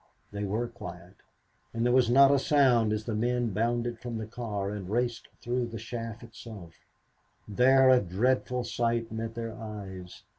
They were quiet, and there was not a sound as the men bounded from the car and raced through to the shaft itself. There a dreadful sight met their eyes.